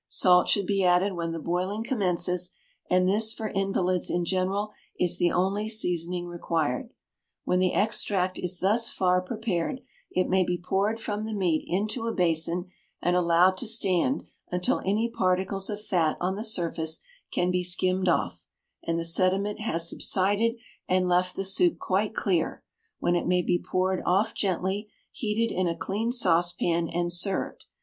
Salt should be added when the boiling commences, and this for invalids in general, is the only seasoning required. When the extract is thus far prepared, it may be poured from the meat into a basin, and allowed to stand until any particles of fat on the surface can he skimmed off, and the sediment has subsided and left the soup quite clear, when it may be poured off gently, heated in a clean saucepan, and served.